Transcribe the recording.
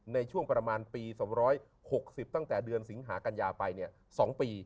ในช่วงประมาณปี๒๖๐ตั้งแต่เดือนสิงหากัญญาไป๒ปี